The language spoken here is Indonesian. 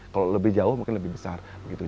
kalau lebih jauh mungkin lebih besar